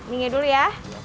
ini dulu ya